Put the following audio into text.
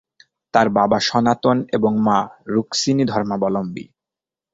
তাঁর বাবা সনাতন এবং মা রুক্মিণী ধর্মাবলম্বী।